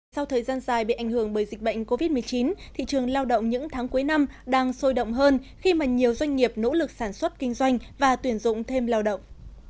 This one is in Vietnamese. sau thời gian dài bị ảnh hưởng bởi dịch bệnh covid một mươi chín thị trường lao động những tháng cuối năm đang sôi động hơn khi mà nhiều doanh nghiệp nỗ lực sản xuất kinh doanh và tuyển dụng thêm lao động